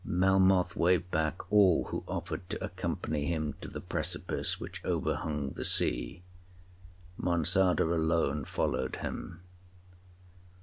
Melmoth waved back all who offered to accompany him to the precipice which over hung the sea. Monçada alone followed him.